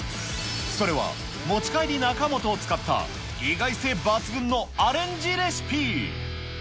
それは持ち帰り中本を使った意外性抜群のアレンジレシピ。